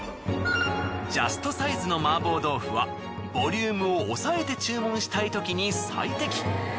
ジャストサイズの麻婆豆腐はボリュームを抑えて注文したいときに最適。